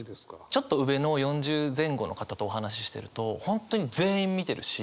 ちょっと上の４０前後の方とお話ししてると本当に全員見てるし。